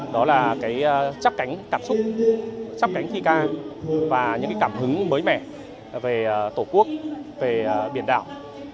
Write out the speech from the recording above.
đó là cái chấp cánh cảm xúc chấp cánh thi ca và những cảm hứng mới mẻ về tổ quốc về biển đảo